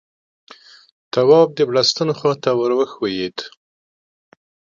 تواب د بړستنو خواته ور وښويېد.